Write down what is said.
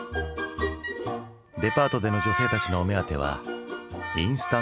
デパートでの女性たちのお目当てはインスタント食品。